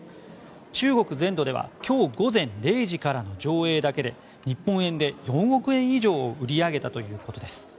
中国全土では今日午前０時からの上映だけで日本円で４億円以上を売り上げたということです。